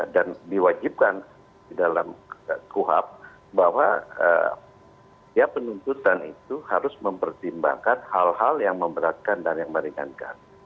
diwajibkan di dalam kuhab bahwa ya penuntutan itu harus mempertimbangkan hal hal yang memberatkan dan yang meringankan